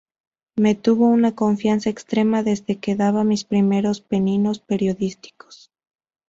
Me tuvo una confianza extrema desde que daba mis primeros peninos periodísticos.